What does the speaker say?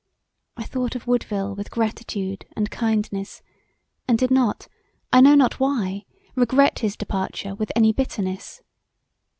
I thought of Woodville with gratitude and kindness and did not, I know not why, regret his departure with any bitterness.